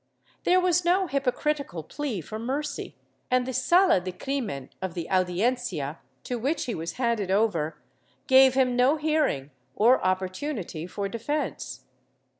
There was no hypocritical plea for mercy, and the Sala del Crimen of the Audiencia, to which he was handed over, gave him no hearing or opportunity for defence.